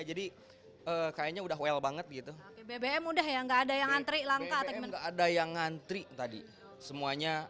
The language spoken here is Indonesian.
jadi kayaknya udah well banget gitu